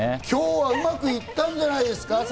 今日はうまくいったんじゃないですか？